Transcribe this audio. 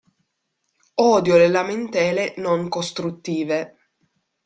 Odio le lamentele non costruttive.